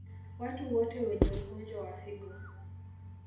Watu wote wenye ugonjwa wa figo